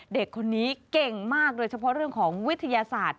เด็กคนนี้เก่งมากโดยเฉพาะเรื่องของวิทยาศาสตร์